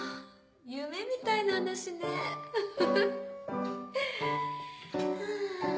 夢みたいな話ねウフフ。